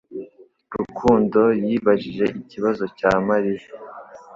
Rukundo yibajije ikibazo cya Mariya.